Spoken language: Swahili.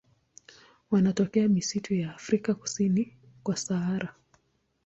Wanatokea misitu ya Afrika kusini kwa Sahara.